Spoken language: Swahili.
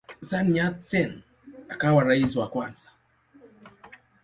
Sun Yat-sen akawa rais wa kwanza.